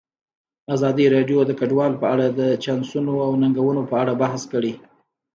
ازادي راډیو د کډوال په اړه د چانسونو او ننګونو په اړه بحث کړی.